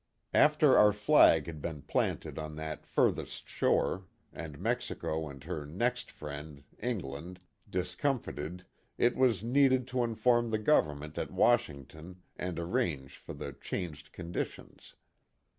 After our flag had been planted on that furthest shore and Mexico and her " next friend," England, discom 38 KIT CARSON. fited, it was needed to inform the government at Washington and arrange for the changed conditions.